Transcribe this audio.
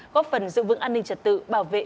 góp phần giữ vững an ninh trật tự bảo vệ